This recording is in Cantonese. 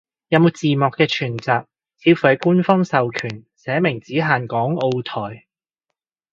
有冇字幕嘅全集，似乎係官方授權，寫明只限港澳台